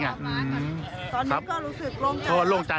อืมตอนนี้ก็รู้สึกโล่งใจ